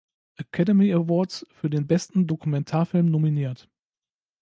Academy Awards für den besten Dokumentarfilm nominiert.